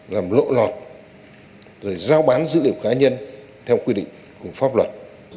làm lộ lọt rồi giao bán dữ liệu cá nhân theo quy định của pháp luật